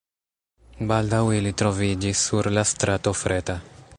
Baldaŭ ili troviĝis sur la strato Freta.